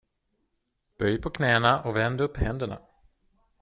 Böj på knäna och vänd upp händerna.